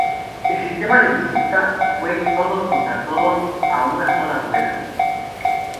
El sistema de disputa fue de todos contra todos a una sola rueda.